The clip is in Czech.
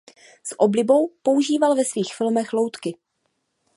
S oblibou používal ve svých filmech loutky.